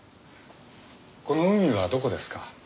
この海はどこですか？